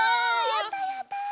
やったやった！